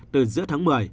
từ giữa tháng một mươi